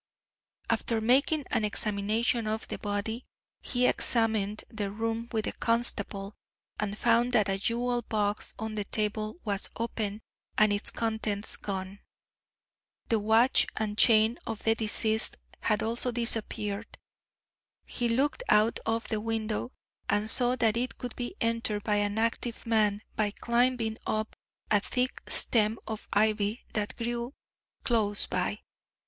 After making an examination of the body, he examined the room with the constable, and found that a jewel box on the table was open and its contents gone. The watch and chain of the deceased had also disappeared. He looked out of the window, and saw that it could be entered by an active man by climbing up a thick stem of ivy that grew close by.